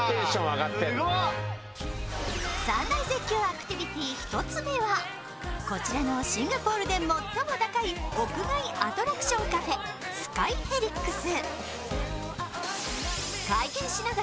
３大絶叫アクティビティー１つ目はこちらのシンガポールで最も高い屋外アトラクションカフェ、スカイヘリックス。